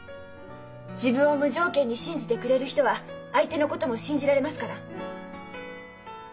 自分を無条件に信じてくれる人は相手のことも信じられますから。